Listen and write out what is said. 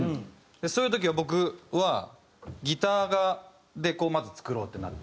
そういう時は僕はギターでこうまず作ろうってなって。